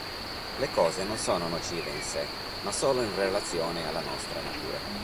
Le cose non sono nocive in sé, ma solo in relazione alla nostra natura.